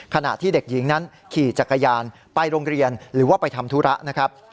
ขณะที่เด็กหญิงนั้นขี่จักรยานไปโรงเรียนหรือว่าไปทำธุระนะครับ